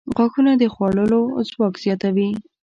• غاښونه د خوړلو ځواک زیاتوي.